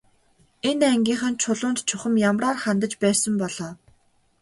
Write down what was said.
Энэ ангийнхан Чулуунд чухам ямраар хандаж байсан бол оо.